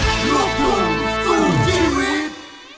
โปรดจงเห็นใจเมตตาช่วยพาคนรักกลับมา